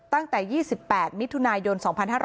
ตั้งแต่๒๘มิถุนายน๒๕๕๙